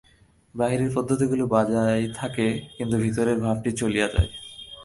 বাহিরের পদ্ধতিগুলি বজায় থাকে, কিন্তু ভিতরের ভাবটি চলিয়া যায়।